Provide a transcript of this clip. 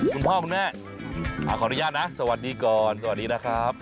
คุณพ่อคุณแม่ขออนุญาตนะสวัสดีก่อนสวัสดีนะครับ